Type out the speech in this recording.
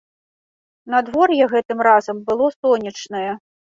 Надвор'е гэтым разам было сонечнае.